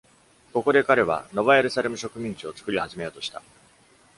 ここで彼は、ノヴァエルサレム植民地を作り始めようとした。